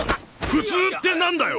普通ってなんだよ！？